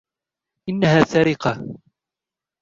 انها سرقه.